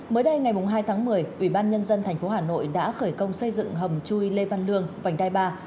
mới đây ngày hai tháng một mươi ủy ban nhân dân thành phố hà nội đã khởi công xây dựng hầm chui lê văn lương vành đai ba